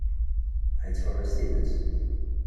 La yettfuḥu s tidet.